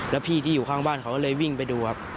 แล้วพี่ที่อยู่ข้างบ้านเขาก็เลยวิ่งไปดูครับ